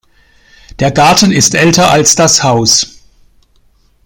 Der Garten ist älter als das Haus.